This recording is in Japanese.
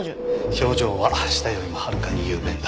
表情は舌よりもはるかに雄弁だ。